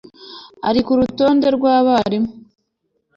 ari ku rutonde rw abarimu